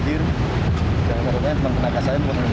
ada komponen yang berkampanah dan berkampanah yang berkampanah